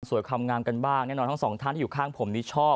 ความงามกันบ้างแน่นอนทั้งสองท่านที่อยู่ข้างผมนี้ชอบ